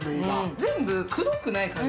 全部くどくない感じ。